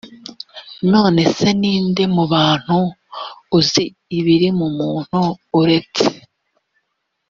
none se ni nde mu bantu uzi ibiri mu muntu uretse